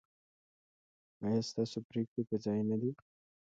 ایا ستاسو پریکړې پر ځای نه دي؟